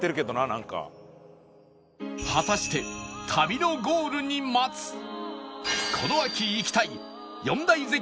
果たして旅のゴールに待つこの秋行きたい４大絶景